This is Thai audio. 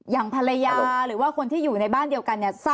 อย่างภรรยาหรือว่าคนที่อยู่ในบ้านเดียวกันเนี่ย